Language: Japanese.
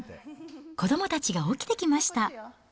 子どもたちが起きてきました。